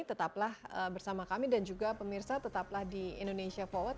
tetaplah bersama kami dan juga pemirsa tetaplah di indonesia forward